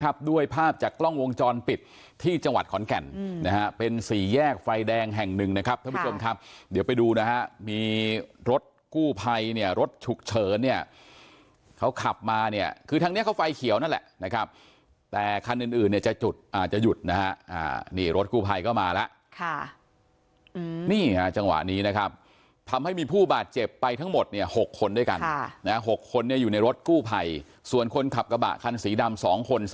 ครับด้วยภาพจากกล้องวงจรปิดที่จังหวัดขอนแก่นนะฮะเป็นสี่แยกไฟแดงแห่งหนึ่งนะครับท่านผู้ชมครับเดี๋ยวไปดูนะฮะมีรถกู้ไพรเนี่ยรถฉุกเฉินเนี่ยเขาขับมาเนี่ยคือทางเนี้ยเขาไฟเขียวนั่นแหละนะครับแต่คันอื่นอื่นเนี่ยจะจุดอ่าจะหยุดนะฮะอ่านี่รถกู้ไพรก็มาแล้วค่ะอืมนี่อ่าจังหวะน